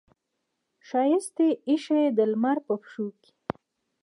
ښایست یې ایښې د لمر په پښو کې